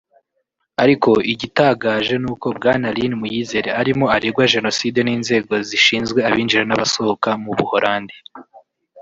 Ariko igitagaje n’uko Bwana Lin Muyizere arimo aregwa Genocide n’inzego zishinzwe abinjira n’abasohoka mu Buhorandi